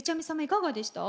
いかがでした？